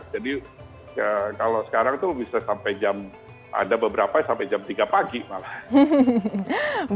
jadi kalau sekarang itu bisa sampai jam ada beberapa sampai jam tiga pagi malah